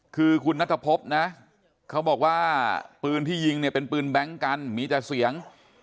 คือคุณนัทพบนะเขาบอกว่าปืนที่ยิงเนี่ยเป็นปืนแบงค์กันมีแต่เสียง